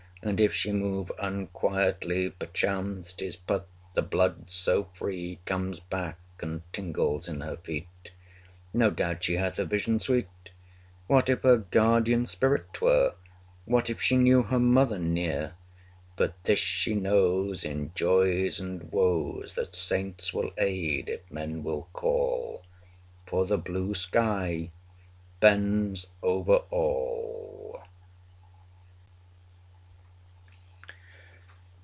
And, if she move unquietly, Perchance, 'tis but the blood so free Comes back and tingles in her feet. 325 No doubt, she hath a vision sweet. What if her guardian spirit 'twere, What if she knew her mother near? But this she knows, in joys and woes, That saints will aid if men will call: 330 For the blue sky bends over all!